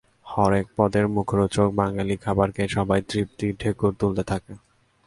হরেক পদের মুখরোচক বাঙালি খাবার খেয়ে সবাই তৃপ্তির ঢেকুর তুলতে থাকে।